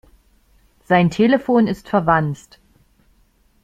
Sein Telefon ist verwanzt.